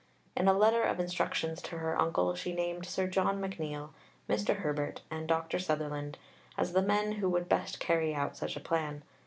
In a letter of instructions to her uncle, she named Sir John McNeill, Mr. Herbert, and Dr. Sutherland as the men who would best carry out such a plan.